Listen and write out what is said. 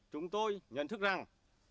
chúng tôi nhận thức rằng